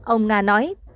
ông nga nói